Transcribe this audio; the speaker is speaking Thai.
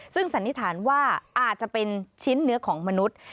ซึ่งสันนิษฐานว่าอาจจะเป็นชิ้นเนื้อของมนุษย์